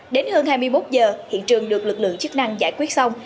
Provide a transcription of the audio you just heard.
đến hơn hai mươi một giờ hiện trường được lực lượng chức năng giải quyết xong